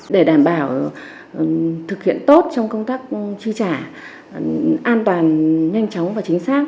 để đảm bảo thực hiện tốt trong công tác chi trả an toàn nhanh chóng và chính xác